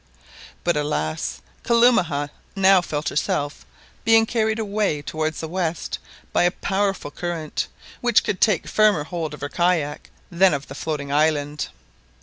But, alas! Kalumah now felt herself being carried away towards the west by a powerful current, which could take firmer hold of her kayak than of the floating island!